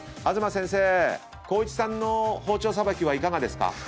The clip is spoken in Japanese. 東先生光一さんの包丁さばきはいかがですか？